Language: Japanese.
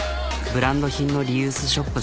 ブランド品のリユースショップ